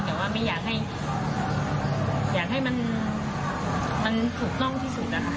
แต่ว่าไม่อยากให้มันถูกต้องที่สุดนะคะ